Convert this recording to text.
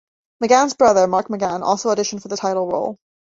McGann's brother, Mark McGann, also auditioned for the title role.